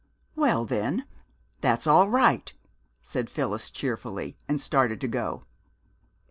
"Well, then, that's all right," said Phyllis cheerfully, and started to go.